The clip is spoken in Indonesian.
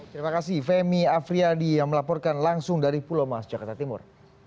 terima kasih femi afriyadi yang melaporkan langsung dari pulau mas jakarta timur